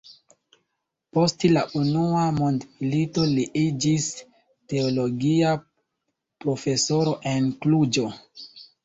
Post la unua mondmilito li iĝis teologia profesoro en Kluĵo.